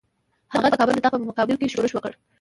هغه د کابل د تخت په مقابل کې ښورښ وکړ.